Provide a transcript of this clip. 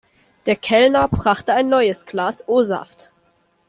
Der Kellner brachte ein neues Glas O-Saft.